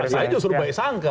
saya justru baik sangka